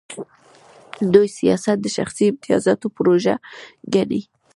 دوی سیاست د شخصي امتیازاتو پروژه ګڼي.